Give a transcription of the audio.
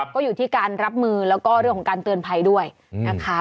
ก็อยู่ที่การรับมือแล้วก็เรื่องของการเตือนภัยด้วยนะคะ